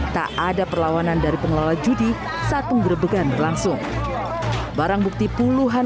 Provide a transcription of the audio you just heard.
tak ada perlawanan dari pengelola judi saat penggerbegan berlangsung barang bukti puluhan